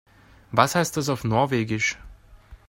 Was heißt das auf Norwegisch?